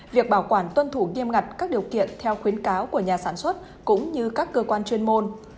việc bảo quản tuân thủ nghiêm ngặt các điều kiện theo khuyến cáo của nhà sản xuất cũng như các cơ quan chuyên môn